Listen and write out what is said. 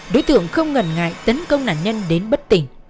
đối tượng không ngần ngại tấn công nạn nhân đến bất tỉnh